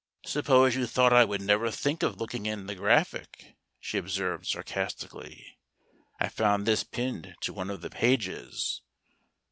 " Suppose you thought I would never think of looking in the Graphic " she observed sarcastically. " I found this pinned to one of the pages.